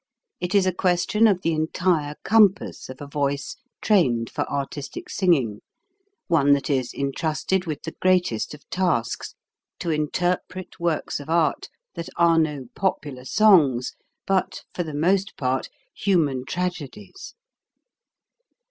It is a question of the entire compass of a voice trained for artistic singing, one that is intrusted with the greatest of tasks, to interpret works of art that are no popular songs, but, for the most part, human trage dies.